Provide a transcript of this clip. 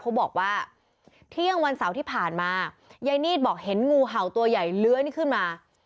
เขาบอกว่าเที่ยงวันเสาร์ที่ผ่านมายายนีดบอกเห็นงูเห่าตัวใหญ่เลื้อยนี่ขึ้นมา